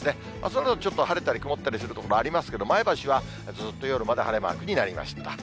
そのあとちょっと晴れたり曇ったりする所もありますけれども、前橋はずっと夜まで晴れマークになりました。